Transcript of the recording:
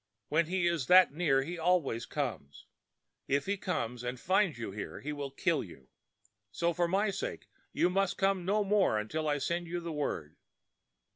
When he is that near he always comes. If he comes and finds you here he will kill you. So, for my sake, you must come no more until I send you the word."